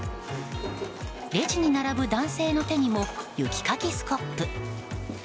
レジに並ぶ男性の手にも雪かきスコップ。